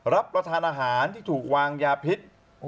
รับประทานอาหารที่ถูกวางยาพิษ